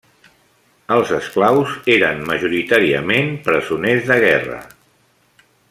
Els esclaus eren majoritàriament presoners de guerra.